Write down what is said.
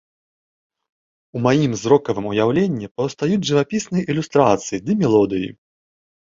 У маім зрокавым уяўленні паўстаюць жывапісныя ілюстрацыі да мелодыі.